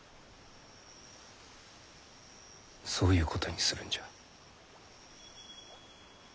そういうことにするんじゃ。